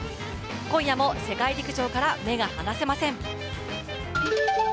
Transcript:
今夜も世界陸上から目が離せません。